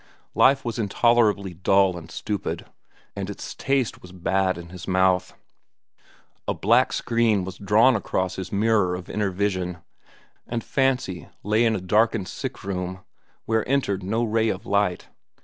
Life was intolerably dull and stupid, and its taste was bad in his mouth. A black screen was drawn across his mirror of inner vision, and fancy lay in a darkened sick room where entered no ray of light.